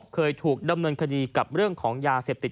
เคยถูกดำเนินคดีกับเรื่องของยาเสพติด